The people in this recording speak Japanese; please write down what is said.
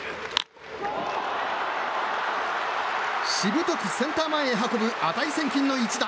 しぶとくセンター前へ運ぶ値千金の一打。